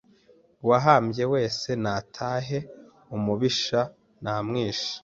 Uwahabye wese natahe umubisha namwishe